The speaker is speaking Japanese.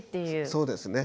そうですね。